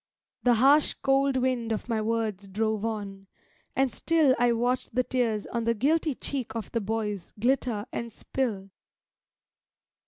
The harsh, cold wind of my words drove on, and still I watched the tears on the guilty cheek of the boys Glitter and spill.